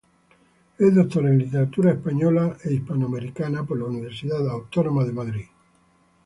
Es doctor en literatura española e hispanoamericana por la Universidad Autónoma de Madrid.